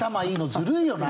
ずるいよね！